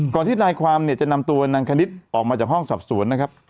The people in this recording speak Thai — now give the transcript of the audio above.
ที่นายความเนี่ยจะนำตัวนางคณิตออกมาจากห้องสอบสวนนะครับ